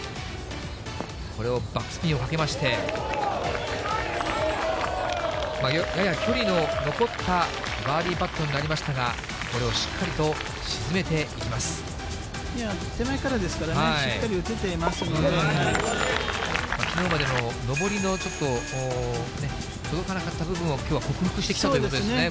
これをバックスピンをかけまして、やや距離の残ったバーディーパットになりましたが、これをしっか手前からですからね、きのうまでの上りの、ちょっと届かなかった部分を、きょうは克服してきたということですね。